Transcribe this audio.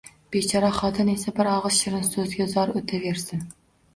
Bechora xotin esa bir og'iz shirin so'zga zor o'tiraversin